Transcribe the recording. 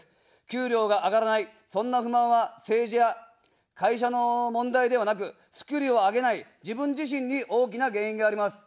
給料が上がらない、そんな不満は政治や会社の問題ではなく、スキルを上げない自分自身に大きな原因があります。